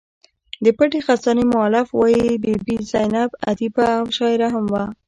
د پټې خزانې مولف وايي بي بي زینب ادیبه او شاعره هم وه.